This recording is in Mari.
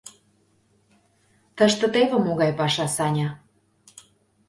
— Тыште теве могай паша, Саня.